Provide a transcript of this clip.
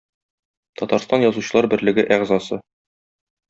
Татарстан Язучылар берлеге әгъзасы.